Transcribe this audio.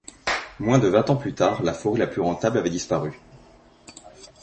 Moins de vingt ans plus tard, la forêt la plus rentable avait disparu.